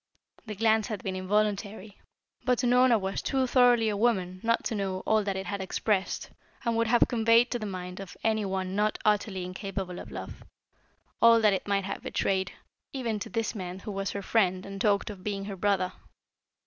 The glance had been involuntary, but Unorna was too thoroughly a woman not to know all that it had expressed and would have conveyed to the mind of any one not utterly incapable of love, all that it might have betrayed even to this man who was her friend and talked of being her brother.